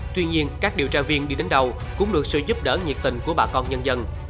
tuy nhiên các điều tra viên đi đến đâu cũng được sự giúp đỡ nhiệt tình của bà con nhân dân